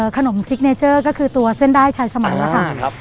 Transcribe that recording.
ขนมซิกเนเจอร์ก็คือตัวเส้นด้ายชายสมัยนะครับ